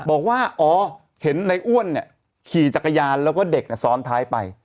บอกว่าอ๋อเห็นในอ้วนขี่จักรยานแล้วก็เด็กซ้อนท้ายไป